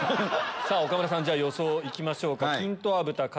さぁ岡村さん予想行きましょうか。